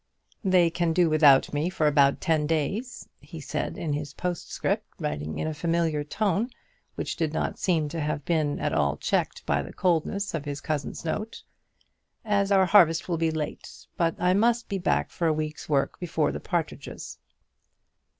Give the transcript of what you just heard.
"They can do without me for about ten days," he said in his postscript, writing in a familiar tone, which did not seem to have been at all checked by the coldness of his cousin's note, "as our harvest will be late; but I must be back for a week's work before the partridges."